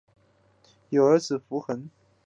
有儿子伏暅。